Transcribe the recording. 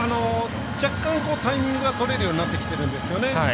若干タイミングがとれるようになってきてるんですよね。